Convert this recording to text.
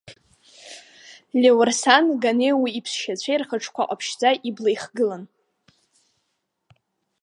Леуарсан, Ганеи уи иԥсшьацәеи рхаҿқәа ҟаԥшьӡа ибла ихгылан.